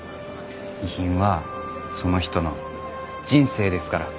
遺品はその人の人生ですから。